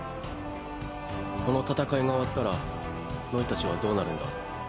この戦いが終わったらノイたちはどうなるんだ？